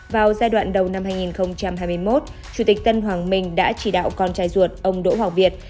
vào giai đoạn đầu năm hai nghìn hai mươi một chủ tịch tân hoàng minh đã chỉ đạo con trai ruột ông đỗ hoàng việt